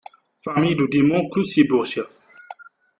Famille de démons que ces Borgia !